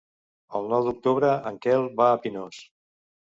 El nou d'octubre en Quel va a Pinós.